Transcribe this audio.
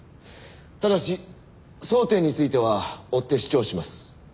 ただし争点については追って主張します。